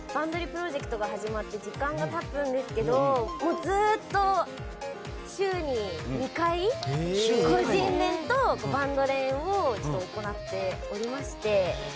プロジェクトが始まって時間が経つんですけどずっと週に２回個人練とバンド練を行っておりまして。